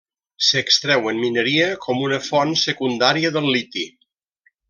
S'extreu en mineria com una font secundària de liti.